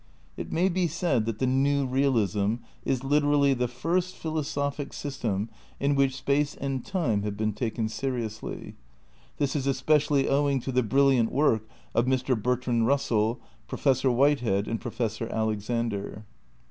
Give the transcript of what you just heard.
It may be said that the new realism is literally the first philosophic system in which space and time have been taken seriously. This is especially owing to the brilliant work of Mr. Bertrand RusseU, Professor Whitehead and Professor Alexander.